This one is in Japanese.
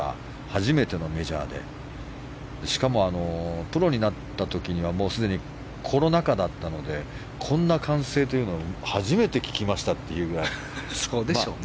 初めてのメジャーでしかもプロになった時にはすでにコロナ禍だったのでこんな歓声というのを初めて聞きましたというぐらい。